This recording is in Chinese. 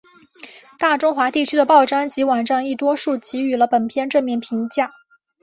大中华地区的报章及网站亦多数给予了本片正面评价。